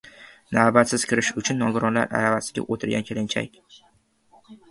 Navbatsiz kirish uchun nogironlar aravasiga o‘tirgan kelinchak...